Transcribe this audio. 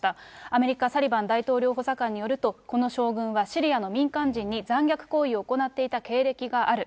アメリカ、サリバン大統領補佐官によると、この将軍はシリアの民間人に残虐行為を行っていた経歴がある。